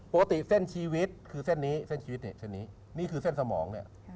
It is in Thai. ปกติเส้นชีวิตคือเส้นนี้นี่คือเส้นสมองเนี่ย